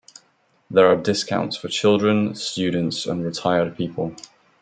There are discounts for children, students and retired people.